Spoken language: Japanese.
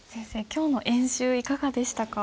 今日の演習いかがでしたか？